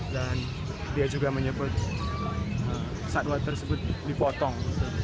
dan dia juga menyebut satwa tersebut dipotong